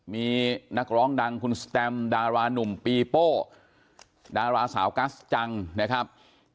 มีนักร้องดังคุณสแตมดารานุ่มปีโป้ดาราสาวกัสจังนะครับ